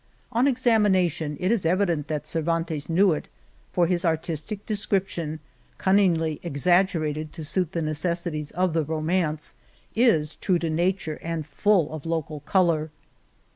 On ex amination it is evident that Cervantes knew it, for his artistic description, cunningly ex aggerated to suit the necessities of the ro mance, is true to nature and full of local 8i The Cave of Montesinos color.